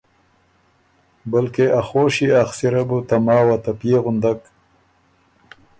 بلکې ا خوشيې اخسِره بُو ته ماوه ته پئے غُندک